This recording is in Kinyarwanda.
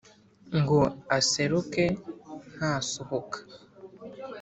ngo aseruke ntasuhuka.